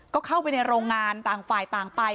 ก็เข้าไปในโรงงานต่างฝ่ายต่างไป